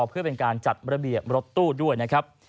เพื่อเป็นการจัดระเบียบรถตู้ด้วยนะครับ